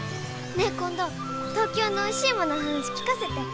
ねえ今度東京のおいしいものの話聞かせて。